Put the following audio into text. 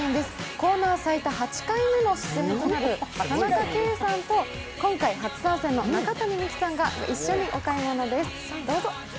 コーナー最多８回目の出演となる田中圭さんと今回初参戦の中谷美紀さんが一緒にお買い物です。